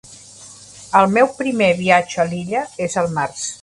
El meu primer viatge a l'illa és al Març.